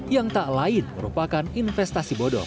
yang tak lain merupakan investasi bodoh